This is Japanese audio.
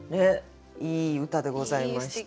いい歌でございました。